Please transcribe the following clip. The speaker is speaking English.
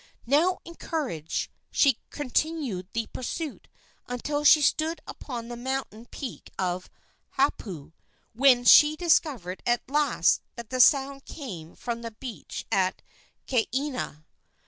Now encouraged, she continued the pursuit until she stood upon the mountain peak of Haupu, when she discovered at last that the sound came from the beach at Kaena.